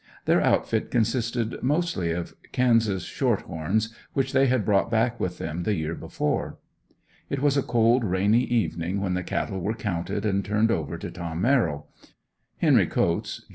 Their outfit consisted mostly of Kansas "short horns" which they had brought back with them the year before. It was a cold, rainy evening when the cattle were counted and turned over to Tom Merril. Henry Coats, Geo.